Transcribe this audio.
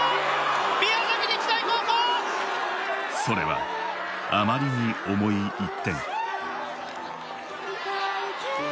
それはあまりに重い１点。